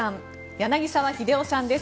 柳澤秀夫さんです。